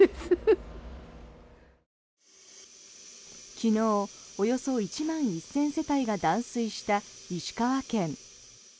昨日およそ１万１０００世帯が断水した石川県。